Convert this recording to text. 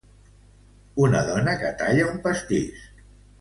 Una dona que talla un pastís.